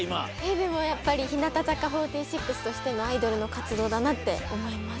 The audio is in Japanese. でもやっぱり日向坂４６としてのアイドルの活動だなって思います。